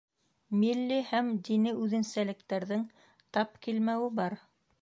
Милли һәм дини үҙенсәлектәрҙең тап килмәүе бар.